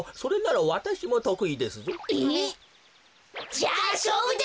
じゃあしょうぶだ！